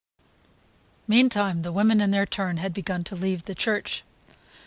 Meantime the women in their turn had begun to leave the church.